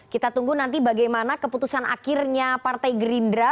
kita tunggu nanti bagaimana keputusan akhirnya partai gerindra